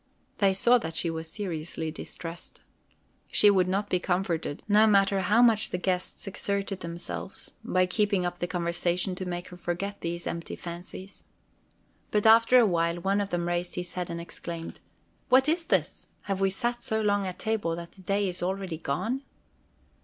They saw that she was seriously distressed. She would not be comforted, no matter how much the guests exerted themselves, by keeping up the conversation to make her forget these empty fancies. But after a while one of them raised his head and exclaimed: "What is this? Have we sat so long at table that the day is already gone?"